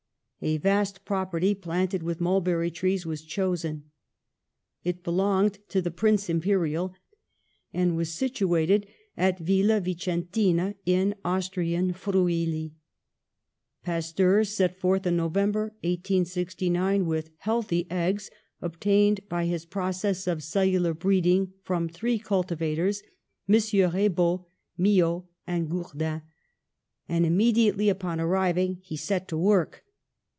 A vast property, planted with mulberry trees, was chosen. It belonged to the Prince Imperial, and was situated at Villa Vi centina, in Austrian Friuli. Pasteur set forth in November, 1869, with healthy eggs obtained by his process of cellular breeding from three cultivators, Messrs. Raybaud, Milhau and Gourdin; and immediately upon arriving he set to work.